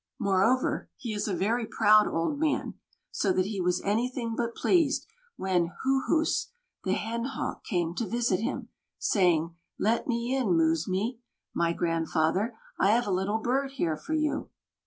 Moreover, he is a very proud old man, so that he was anything but pleased when "Hūhuss," the Hen Hawk, came to visit him, saying: "Let me in, Mūsmī [my grandfather]. I have a little bird here for you."